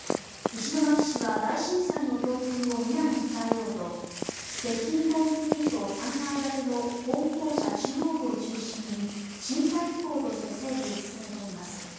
石巻市は大震災の教訓を未来に伝えようと鉄筋コンクリート３階建ての本校舎中心部を中心に震災遺構として整備を進めています。